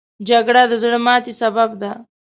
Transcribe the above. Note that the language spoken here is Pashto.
جګړه د زړه ماتې سبب ده